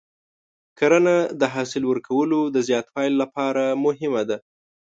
کرنه د حاصل ورکولو د زیاتوالي لپاره مهمه ده.